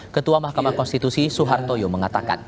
ketua mahkamah konstitusi suhartoyo mengatakan